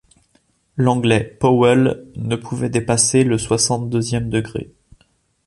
l’Anglais Powell ne pouvait dépasser le soixante-deuxième degré.